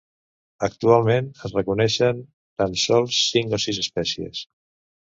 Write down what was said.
Actualment, es reconeixen tan sols cinc o sis espècies.